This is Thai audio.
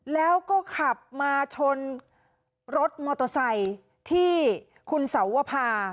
แล้วก็ขับมาชนรถมอเตอร์ไซค์ที่คุณสวภา